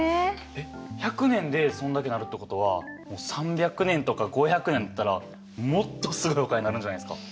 えっ１００年でそんだけなるってことはもう３００年とか５００年っていったらもっとすごいお金になるんじゃないですか。